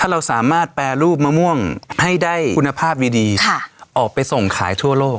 เราสามารถแปรรูปมะม่วงให้ได้คุณภาพดีออกไปส่งขายทั่วโลก